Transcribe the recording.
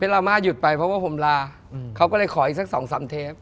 ลาม่าหยุดไปเพราะว่าผมลาเขาก็เลยขออีกสัก๒๓เทป